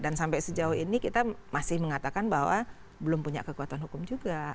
dan sampai sejauh ini kita masih mengatakan bahwa belum punya kekuatan hukum juga